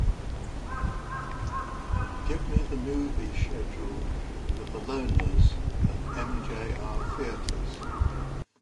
Give me the movie schedule for The Loners at MJR Theatres.